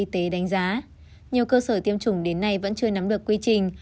đề đánh giá nhiều cơ sở tiêm chủng đến nay vẫn chưa nắm được quy trình